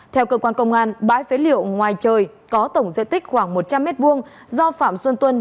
theo cơ quan công an bãi phế liệu ngoài trời có tổng diện tích khoảng một trăm linh m hai do phạm xuân tuân